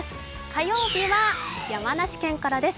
火曜日は山梨県からです。